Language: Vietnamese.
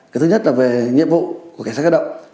cái thứ nhất là về nhiệm vụ của cảnh sát cơ động